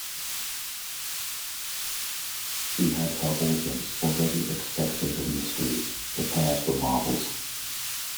She had her audience already expectant of mysteries, prepared for marvels.